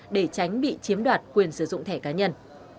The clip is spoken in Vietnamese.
để tránh bị chiếm đoạt quyền sử dụng thẻ cá nhân